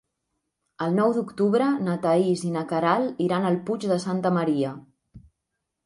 El nou d'octubre na Thaís i na Queralt iran al Puig de Santa Maria.